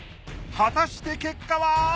果たして結果は？